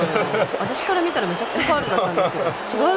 私から見たらめちゃくちゃファウルだったんですけど違う？